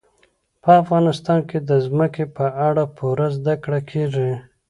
په افغانستان کې د ځمکه په اړه پوره زده کړه کېږي.